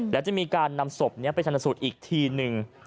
แล้วจะมีการนำศพนี้ไปชนสูตรอีกทีหนึ่ง